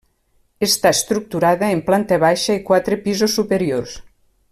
Està estructurada en planta baixa i quatre pisos superiors.